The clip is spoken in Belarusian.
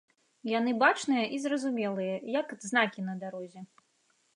Яны бачныя і зразумелыя, як знакі на дарозе.